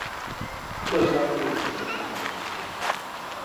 勒沙特列人口变化图示